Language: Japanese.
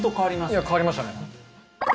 いや変わりましたね。